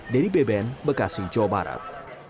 dedy beben bekasi jawa barat